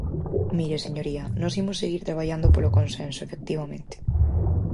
Mire, señoría, nós imos seguir traballando polo consenso, efectivamente.